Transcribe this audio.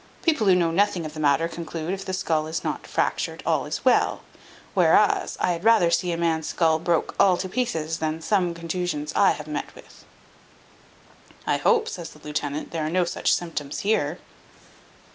People who know nothing of the matter conclude, if the skull is not fractured, all is well; whereas, I had rather see a man's skull broke all to pieces, than some contusions I have met with." "I hope," says the lieutenant, "there are no such symptoms here."